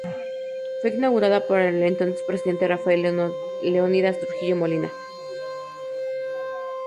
Fue inaugurada por el entonces presidente Rafael Leónidas Trujillo Molina.